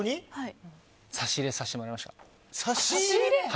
差し入れさせてもらいました。